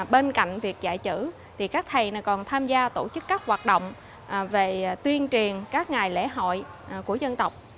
bên cạnh việc dạy chữ thì các thầy còn tham gia tổ chức các hoạt động về tuyên truyền các ngày lễ hội của dân tộc